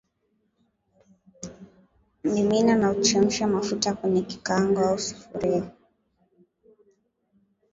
Mimina na uchemshe mafuta kwenye kikaango au sufuria